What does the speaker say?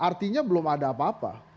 artinya belum ada apa apa